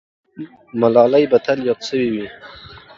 ملاله به تل یاده سوې وي.